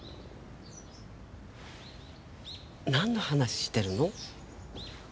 なんの話してるの？